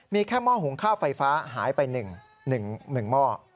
มีแค่หม้อหุงข้าวไฟฟ้าหายไป๑หม้อ